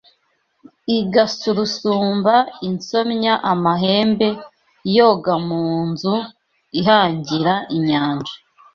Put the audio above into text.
Igasurusumba insomya amahembe Yoga mu nzu ihagira inyanja